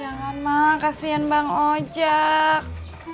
jangan mak kasian bang ojak